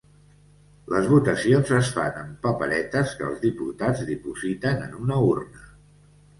Les votacions es fan amb paperetes que els diputats dipositen en una urna.